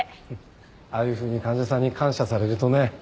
ああいうふうに患者さんに感謝されるとね。